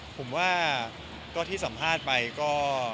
ผมว่าก็สามารถไปก็